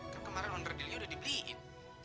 kan kemarin onderdilnya udah dibeliin